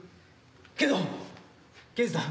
けど刑事さん